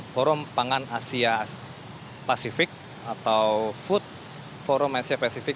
forum pangan asia pasifik atau food forum asia pacific